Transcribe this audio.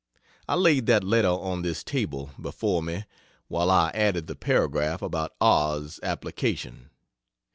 I laid that letter on this table before me while I added the paragraph about R,'s application.